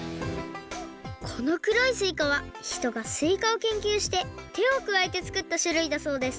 このくろいすいかはひとがすいかをけんきゅうしててをくわえてつくったしゅるいだそうです。